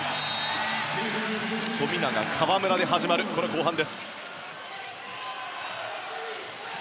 富永、河村で始まるこの後半です。